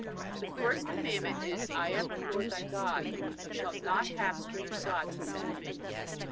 The first Commandment is: I am the Lord thy God: thou shalt not have strange gods before Me.